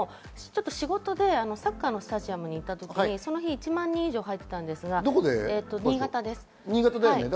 仕事でサッカーのスタジアムに行ったときに１万人以上入っていましたが、場所は新潟です。